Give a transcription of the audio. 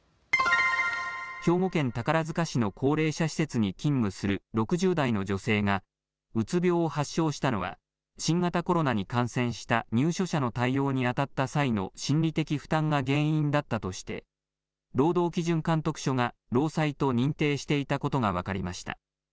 兵庫県宝塚市の高齢者施設に勤務する６０代の女性がうつ病を発症したのは新型コロナに感染した入所者の対応に当たった際の心理的負担が原因だったとして労働基準監督署が労災と認定していたことが分かりました。